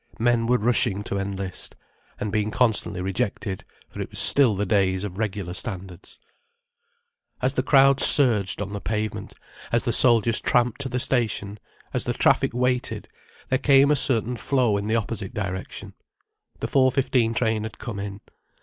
Men were rushing to enlist—and being constantly rejected, for it was still the days of regular standards. As the crowds surged on the pavement, as the soldiers tramped to the station, as the traffic waited, there came a certain flow in the opposite direction. The 4:15 train had come in.